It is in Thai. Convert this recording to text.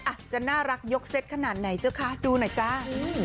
อ่ะจะน่ารักยกเซ็ตขนาดไหนเจ้าคะดูหน่อยจ้า